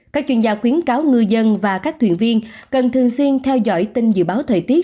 các chuyên gia khuyến cáo ngư dân và các thuyền viên cần thường xuyên theo dõi tin dự báo thời tiết